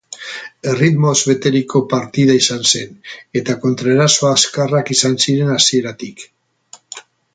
Erritmoz beteriko partida izan zen, eta kontraeraso azkarrak izan ziren hasieratik.